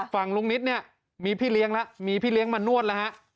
ฝั่งลุงนิตมีพี่เลี้ยงแล้วที่มานวดครับ